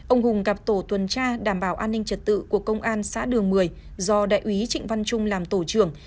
ông hùng gặp tổ tuần tra đảm bảo an ninh trật tự của công an xã đường một mươi do đại úy trịnh văn trung làm tổ trưởng